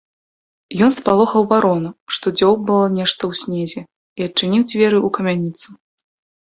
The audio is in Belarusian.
Ён спалохаў варону, што дзёўбала нешта ў снезе, і адчыніў дзверы ў камяніцу.